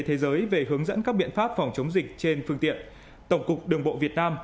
thế giới về hướng dẫn các biện pháp phòng chống dịch trên phương tiện tổng cục đường bộ việt nam